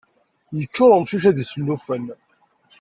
Yeččur umcic-a d isellufen.